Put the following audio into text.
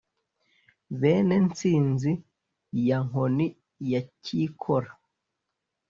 bene ntsinzi ya nkoni ya cyikora